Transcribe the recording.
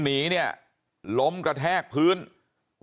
บอกแล้วบอกแล้วบอกแล้ว